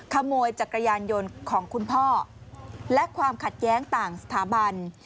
ขโมยจักรยานยนต์ของคุณพ่อและความขัดแย้งต่างสถาบัน